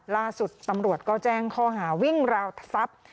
ล่าสุดตำรวจก็แจ้งข้อหาวิ่งราวทรัพย์